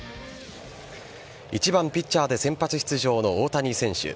１番・ピッチャーで先発出場の大谷選手。